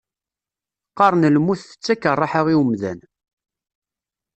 Qqaren lmut tettak rraḥa i umdan.